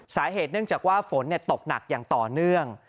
สาเหตุเนื่องจากว่าฝนตกหนักอย่างต่อเนื่อง